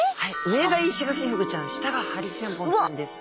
上がイシガキフグちゃん下がハリセンボンちゃんです。